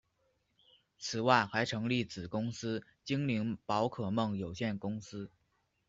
此外还成立子公司精灵宝可梦有限公司。